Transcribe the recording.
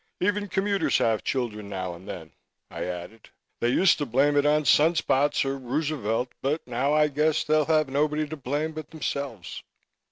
Even commuters have children now and then," I added. "They used to blame it on sunspots or Roosevelt but now I guess they'll have nobody to blame but themselves."